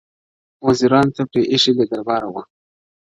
وزيرانو ته پرې ايښى بې دربار وو!.